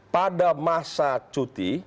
pada masa cuti